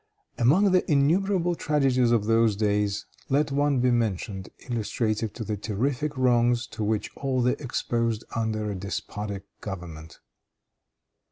Among the innumerable tragedies of those days, let one be mentioned illustrative of the terrific wrongs to which all are exposed under a despotic government.